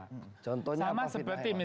contohnya apa fitnah ya bang